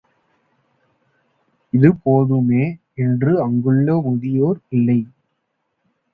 இது போதுமே, என்று அங்குள்ள முதியோர் இல்லை.